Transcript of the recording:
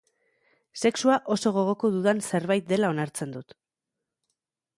Sexua oso gogoko dudan zerbait dela onartzen dut.